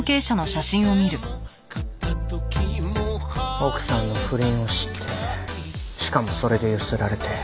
奥さんの不倫を知ってしかもそれでゆすられて。